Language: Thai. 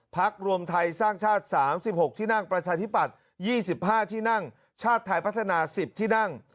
รวมไทยสร้างชาติ๓๖ที่นั่งประชาธิปัตย์๒๕ที่นั่งชาติไทยพัฒนา๑๐ที่นั่ง